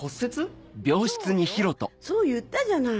そうよそう言ったじゃない。